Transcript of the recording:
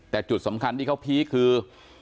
แต่จุดสำคัญที่เขาพีคคือ